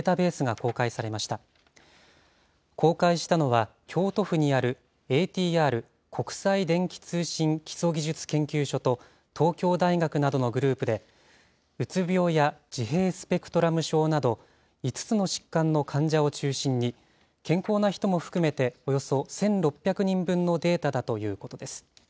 公開したのは、京都府にあるＡＴＲ・国際電気通信基礎技術研究所と、東京大学などのグループで、うつ病や自閉スペクトラム症など５つの疾患の患者を中心に、健康な人も含めておよそ１６００人分のデータだということです。